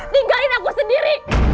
tinggalin aku sendiri